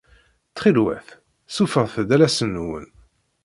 Ttxil-wat sufeɣ-t-d alasen-nwen.